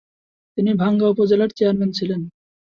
তিনি ভাঙ্গা উপজেলার চেয়ারম্যান ছিলেন।